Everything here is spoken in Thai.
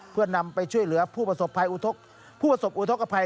เพื่อนำไปช่วยเหลือผู้ประสบภัยอุทธกภัย